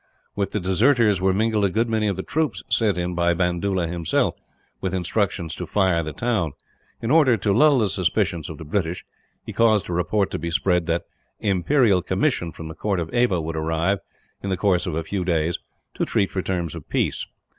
With the deserters were mingled a good many of the troops sent in by Bandoola, himself, with instructions to fire the town. In order to lull the suspicions of the British, he caused a report to be spread that an imperial commissioner from the court of Ava would arrive, in the course of a few days, to treat for terms of peace.